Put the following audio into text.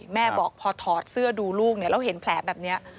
แม่บอกพอถอดเสื้อดูลูกแล้วเห็นแผลแบบนี้